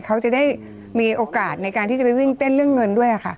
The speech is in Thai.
เขาจะได้มีโอกาสในการที่จะไปวิ่งเต้นเรื่องเงินด้วยค่ะ